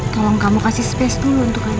tolong kamu kasih space dulu untuk kamu